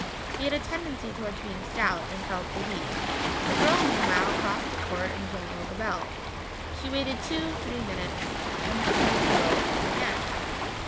He had a tendency toward being stout, and felt the heat. The girl, meanwhile, crossed the court and jangled the bell; she waited two three minutes, then she pulled the rope again.